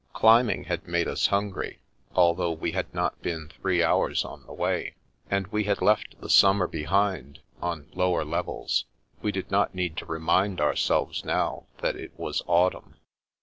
Climbing had made us hungry, although we had not been three hours on the way. And we had left the summer behind, on lower levels; we did not need to remind ourselves now that it was autumn.